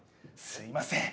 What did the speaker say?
すみません。